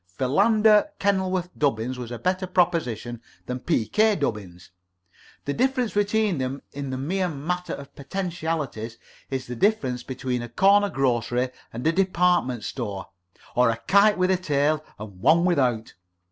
"Philander Kenilworth Dubbins was a better proposition than P. K. Dubbins. The difference between them in the mere matter of potentialities is the difference between a corner grocery and a department store, or a kite with a tail and one without.